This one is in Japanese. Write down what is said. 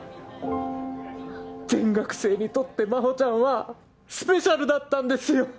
全学生にとって真帆ちゃんはスペシャルだったんですよ！